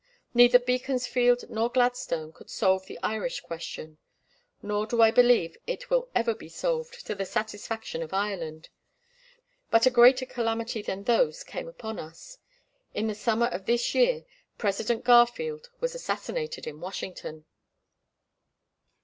Neither Beaconsfield nor Gladstone could solve the Irish question. Nor do I believe it will ever be solved to the satisfaction of Ireland. But a greater calamity than those came upon us; in the summer of this year President Garfield was assassinated in Washington.